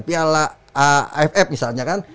piala aff misalnya kan